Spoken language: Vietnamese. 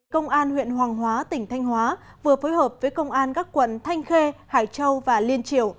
công an huyện hoàng hóa tỉnh thanh hóa vừa phối hợp với công an các quận thanh khê hải châu và liên triều